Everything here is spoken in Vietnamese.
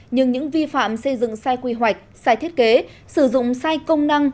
nhưng những vi phạm xây dựng sai quy hoạch sai thiết kế sử dụng sai công năng